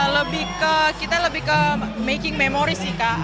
lebih ke kita lebih ke making memori sih kak